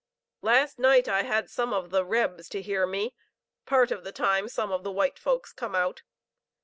Last night I had some of the 'rebs' to hear me (part of the time some of the white folks come out).